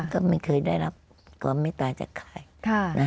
ท่านไม่เคยได้รับความเมตตาจากค่ายนะ